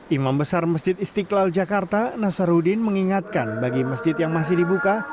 imam besar masjid istiqlal jakarta nasaruddin mengingatkan bagi masjid yang masih dibuka